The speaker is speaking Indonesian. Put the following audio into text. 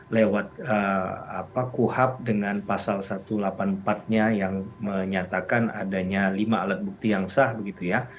lewat kuhab dengan pasal satu ratus delapan puluh empat nya yang menyatakan adanya lima alat bukti yang sah begitu ya